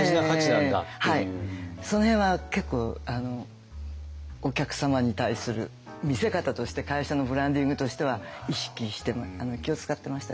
その辺は結構お客様に対する見せ方として会社のブランディングとしては意識して気を遣ってましたね。